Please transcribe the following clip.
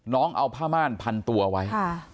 น้องเอาผ้าม่านพันตัวไว้